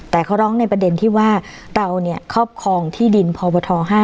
แต่เขาร้องในประเด็นที่ว่าเราเนี่ยครอบครองที่ดินพบท๕๗